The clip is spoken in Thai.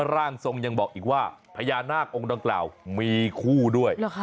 ร่างทรงยังบอกอีกว่าพญานาคองค์ดังกล่าวมีคู่ด้วย